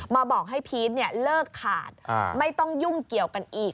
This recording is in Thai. บอกให้พีชเลิกขาดไม่ต้องยุ่งเกี่ยวกันอีก